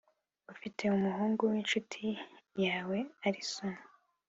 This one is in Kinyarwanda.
ufite umuhungu w’incuti yawe allison